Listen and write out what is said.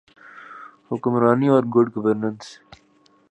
حکمرانی اورگڈ گورننس۔